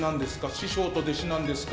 師匠と弟子なんですか？